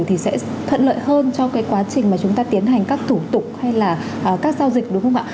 thì sẽ thuận lợi hơn cho cái quá trình mà chúng ta tiến hành các thủ tục hay là các giao dịch đúng không ạ